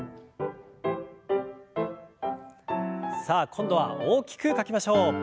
さあ今度は大きく書きましょう。